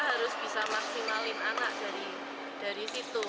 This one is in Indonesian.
harus bisa maksimalin anak dari situ